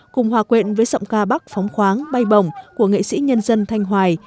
cùng hòa quyện với sọng ca bắc phóng khoáng bay bỏng của nghệ sĩ nhân dân thanh hoài